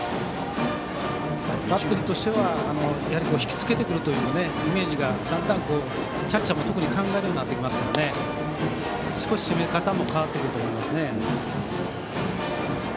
バッテリーとしては引き付けてくるというイメージがだんだん、キャッチャーも特に考えるようになってきますから少し攻め方も変わってくると思いますね。